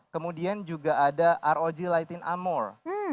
kemudian juga ada rog lighting armor